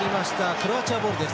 クロアチアボールです。